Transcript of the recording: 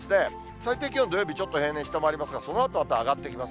最低気温、土曜日ちょっと平年下回りますが、そのあとは、また上がっていきます。